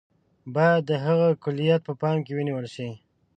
باید د هغه کُلیت په پام کې ونیول شي.